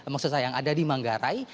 maksud saya yang ada di manggarai